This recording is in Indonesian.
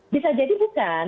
bisa jadi bukan